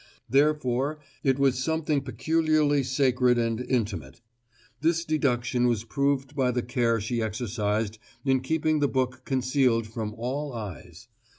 Therefore, it was something peculiarly sacred and intimate. This deduction was proved by the care she exercised in keeping the book concealed from all eyes.